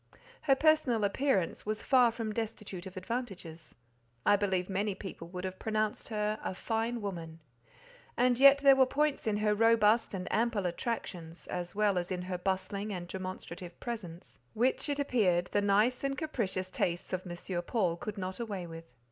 Her personal appearance was far from destitute of advantages; I believe many people would have pronounced her "a fine woman;" and yet there were points in her robust and ample attractions, as well as in her bustling and demonstrative presence, which, it appeared, the nice and capricious tastes of M. Paul could not away with.